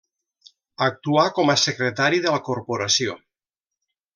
Actuà com a secretari de la corporació.